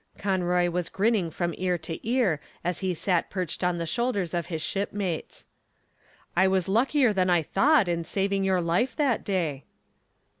Conroy was grinning from ear to ear as he sat perched on the shoulders of his shipmates. "I was luckier than I thought in saving your life that day."